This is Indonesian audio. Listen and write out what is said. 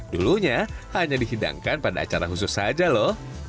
dulunya hanya dihidangkan pada acara khusus saja loh